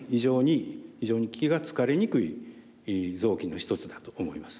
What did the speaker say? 異常に気が付かれにくい臓器の一つだと思います。